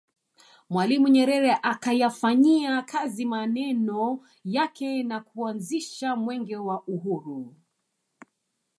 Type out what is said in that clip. Mwalimu Nyerere akayafanyia kazi maneno yake na kuanzisha Mwenge wa Uhuru